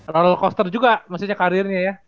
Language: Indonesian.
ronald coaster juga maksudnya karirnya ya